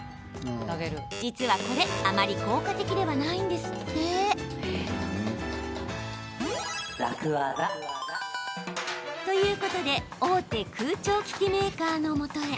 実はこれあまり効果的ではないんですって。ということで大手空調機器メーカーの元へ。